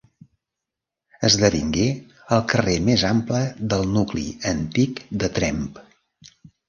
Esdevingué el carrer més ample del nucli antic de Tremp.